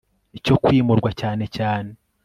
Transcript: icyo kwimurwa cyane cyane